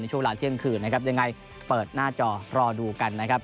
ช่วงเวลาเที่ยงคืนนะครับยังไงเปิดหน้าจอรอดูกันนะครับ